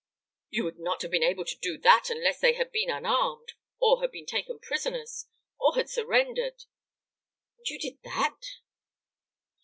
You would not have been able to do that unless they had been unarmed, or had been taken prisoners, or had surrendered; and you did that?"